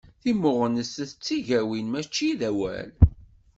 Timmuɣnest d tigawin mačči d awal.